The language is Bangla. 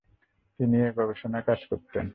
তিনি এই গবেষণার কাজ করতেন।